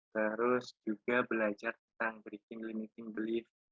terus juga belajar tentang briefing limiting belief